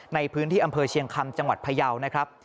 ในพื้นที่อำเภอเชียงคำจังหวัดพยาวนะครับ